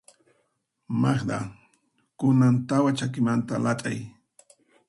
Magda, kunan tawa chakimanta lat'ay.